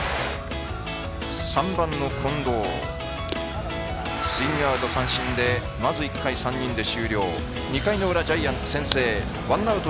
３番の近藤、スイングアウト三振でまず１回３人で終了２回の裏ジャイアンツ先制ワンアウト